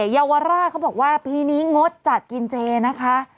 เยาวราชเขาบอกว่าปีนี้งดจัดกินเจนะคะ